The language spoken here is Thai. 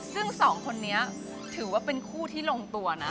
ซึ่งสองคนนี้ถือว่าเป็นคู่ที่ลงตัวนะ